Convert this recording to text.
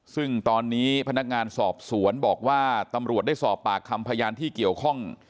ซึ่งตอนนี้พนักงานสอบสวนบอกว่าตำรวจได้สอบปากคำพยานที่เกี่ยวข้อง